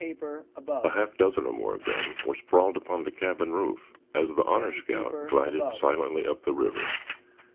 A half dozen or more of them were sprawled upon the cabin roof as the Honor Scout glided silently up the river.